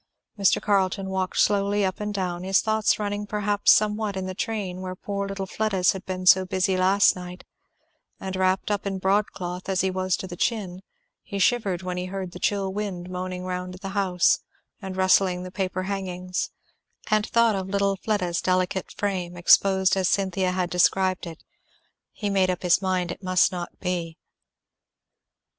Mr. Carleton walked slowly up and down, his thoughts running perhaps somewhat in the train where poor little Fleda's had been so busy last night, and wrapped up in broadcloth as he was to the chin, he shivered when he heard the chill wind moaning round the house and rustling the paper hangings and thought of little Fleda's delicate frame, exposed as Cynthia had described it. He made up his mind it must not be.